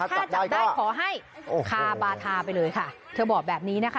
ถ้าจับได้ขอให้คาบาทาไปเลยค่ะเธอบอกแบบนี้นะคะ